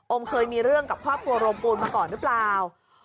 เคยมีเรื่องกับครอบครัวโรมปูนมาก่อนหรือเปล่า